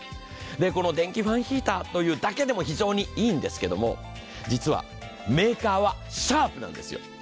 この電気ファンヒーターというだけでも非常にいいんですけれども、実は、メーカーはシャープなんですよ。